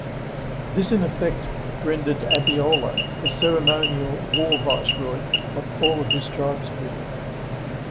This in effect rendered Abiola the ceremonial War Viceroy of all of his tribespeople.